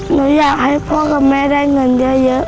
หนูอยากให้พ่อกับแม่ได้เงินเยอะ